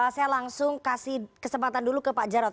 saya langsung kasih kesempatan dulu ke pak jarod